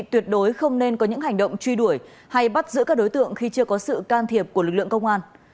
tuyệt đối không nên có những hành động truy đuổi hay bắt giữ các đối tượng khi chưa có sự can thiệp của lực lượng công an